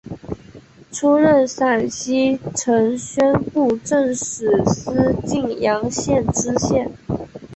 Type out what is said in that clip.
出任陕西承宣布政使司泾阳县知县。